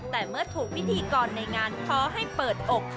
แต่เมื่อถูกพิธีกรในงานท้อให้เปิดอก